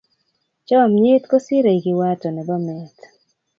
Chomnyet kosirei kiwato nebo meet.